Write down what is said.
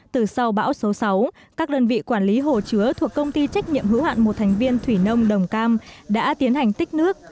từ sau bão số sáu các đơn vị quản lý hồ chứa thuộc công ty trách nhiệm hữu hạn một thành viên thủy nông đồng cam đã tiến hành tích nước